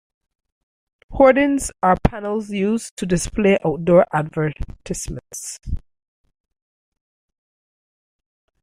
Hoardings are panels used to display outdoor advertisements